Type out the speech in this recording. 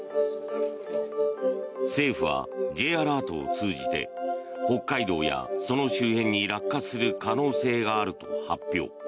政府はＪアラートを通じて北海道やその周辺に落下する可能性があると発表。